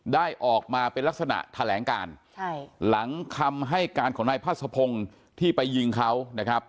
ได้ออกมาเป็นลักษณะแถลงการใช่หลังคำให้การของนายพาสะพงศ์ที่ไปยิงเขานะครับ